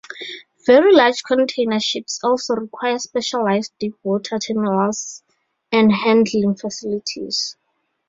Very large container ships also require specialized deep water terminals and handling facilities.